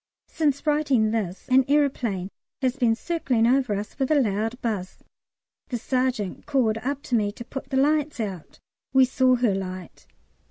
Since writing this an aeroplane has been circling over us with a loud buzz. The sergeant called up to me to put the lights out. We saw her light.